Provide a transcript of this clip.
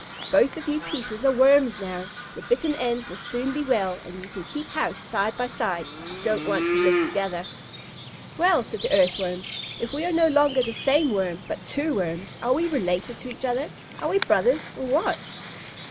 Both of you pieces are Worms now. The bitten ends will soon be well, and you can keep house side by side, if you don't want to live together." "Well," said the Earthworms, "if we are no longer the same Worm, but two Worms, are we related to each other? Are we brothers, or what?"